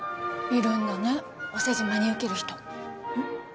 いるんだねお世辞真に受ける人。